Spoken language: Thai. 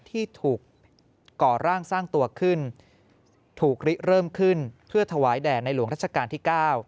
ที่ถูกก่อร่างสร้างตัวขึ้นถูกริเริ่มขึ้นเพื่อถวายแด่ในหลวงรัชกาลที่๙